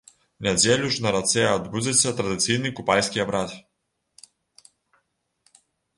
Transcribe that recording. У нядзелю ж на рацэ адбудзецца традыцыйны купальскі абрад.